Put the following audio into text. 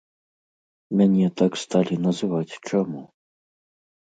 Мяне так сталі называць чаму?